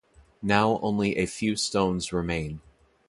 Now only a few stones remain.